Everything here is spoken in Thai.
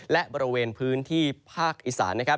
และบริเวณพื้นที่ภาคอีสานนะครับ